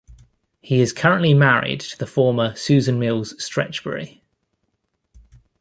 He is currently married to the former Susan Mills Stretchberry.